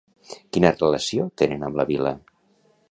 Quina relació tenen amb la vila?